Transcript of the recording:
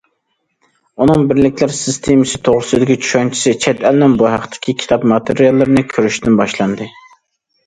ئۇنىڭ بىرلىكلەر سىستېمىسى توغرىسىدىكى چۈشەنچىسى چەت ئەلنىڭ بۇ ھەقتىكى كىتاب، ماتېرىياللىرىنى كۆرۈشتىن باشلاندى.